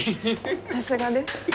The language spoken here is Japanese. さすがです。